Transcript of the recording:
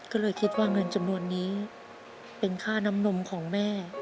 ก็เลยคิดว่าเงินจำนวนนี้เป็นค่าน้ำนมของแม่